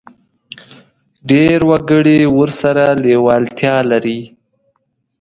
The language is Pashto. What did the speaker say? ډېر وګړي ورسره لېوالتیا لري.